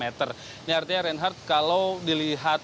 ini artinya reinhardt kalau dilihat